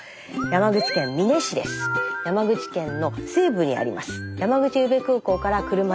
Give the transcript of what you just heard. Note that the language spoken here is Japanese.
山口県の西部にあります。